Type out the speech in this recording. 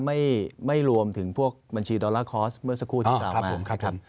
ไม่รวมถึงพวกบัญชีดอลลาร์คอร์สเมื่อสักครู่ที่เราครับผมครับผม